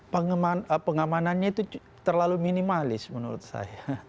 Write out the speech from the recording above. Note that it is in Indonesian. pengamanannya itu terlalu minimalis menurut saya